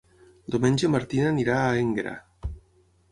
Diumenge na Martina anirà a Énguera.